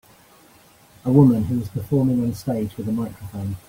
a woman who is performing on stage with a microphone.